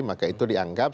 maka itu dianggap